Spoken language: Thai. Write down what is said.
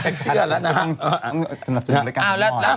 เชื่อแล้วนะฮะ